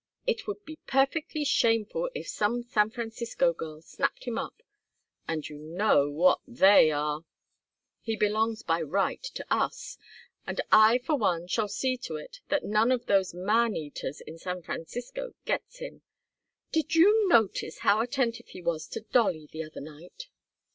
It would be perfectly shameful if some San Francisco girl snapped him up and you know what they are. He belongs by right to us, and I for one shall see to it that none of those man eaters in San Francisco gets him. Did you notice how attentive he was to Dolly the other night?